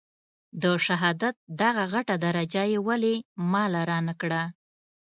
د شهادت دغه غټه درجه يې ولې ما له رانه کړه.